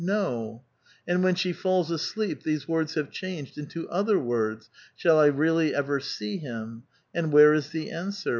No!" and when she falls asleep these words have changed into other words, "Shall I really ever see him?" and where is the answer?